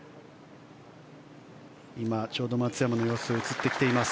今、ちょうど松山の様子が映ってきています。